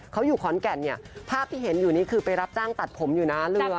เขาอยู่ขอนแก่นเนี่ยภาพที่เห็นอยู่นี่คือไปรับจ้างตัดผมอยู่หน้าเรือ